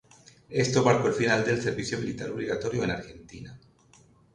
Esto marcó el final del servicio militar obligatorio en Argentina.